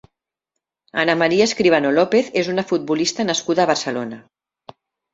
Ana María Escribano López és una futbolista nascuda a Barcelona.